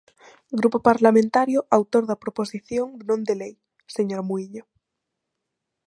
Grupo parlamentario autor da proposición non de lei, señora Muíño.